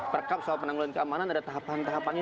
perkap soal penanggulan keamanan ada tahapan tahapannya